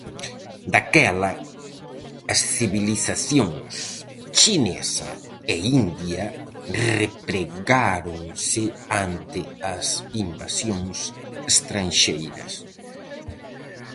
Daquela, as civilizacións chinesa e india repregáronse ante as invasións estranxeiras.